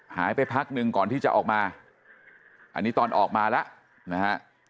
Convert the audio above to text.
พักหนึ่งก่อนที่จะออกมาอันนี้ตอนออกมาแล้วนะฮะ